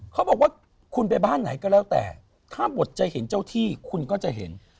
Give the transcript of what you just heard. เขาบอกว่าคุณไปบ้านไหนก็แล้วแต่ถ้าบทจะเห็นเจ้าที่คุณก็จะเห็น